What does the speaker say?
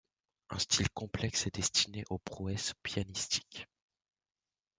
Un style complexe et destiné aux prouesses pianistiques.